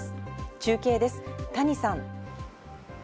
中継です、谷さん。